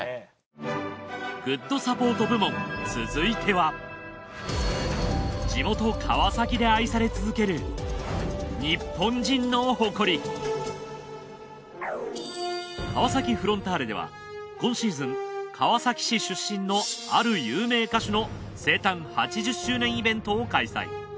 グッドサポート部門続いては川崎フロンターレでは今シーズン川崎市出身のある有名歌手の生誕８０周年イベントを開催。